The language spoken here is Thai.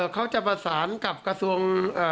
เขาจะประสานกับกระทรวง